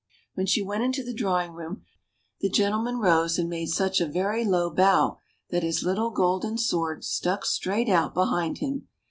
When she went into the drawing room, the gentleman rose and made such a very low bow that his little golden sword stuck straight out behind him.